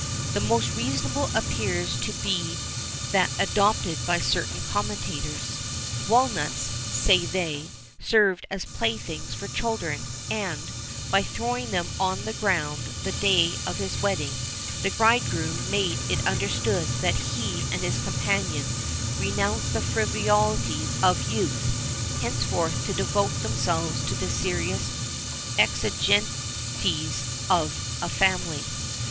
The most reasonable appears to be that adopted by certain commentators: Walnuts, say they, served as playthings for children, and, by throwing them on the ground the day of his wedding, the bridegroom made it understood that he and his companion renounced the frivolities of youth, henceforth to devote themselves to the serious exigencies of a family.